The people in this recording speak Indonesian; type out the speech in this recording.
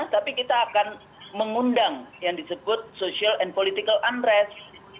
tapi kita akan mengundang yang disebut social and political unress